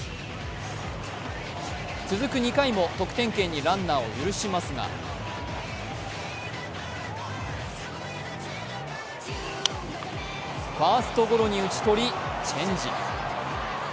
続く２回も得点圏にランナーを許しますがファーストゴロに打ち取りチェンジ。